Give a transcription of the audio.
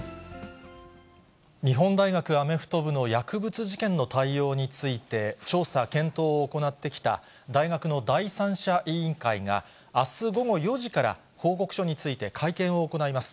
日本大学アメフト部の薬物事件の対応について、調査・検討を行ってきた大学の第三者委員会が、あす午後４時から報告書について会見を行います。